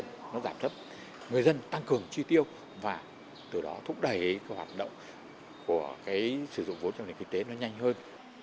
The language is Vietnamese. nó giảm thấp người dân tăng cường chi tiêu và từ đó thúc đẩy cái hoạt động của cái sử dụng vốn trong nền kinh tế nó nhanh hơn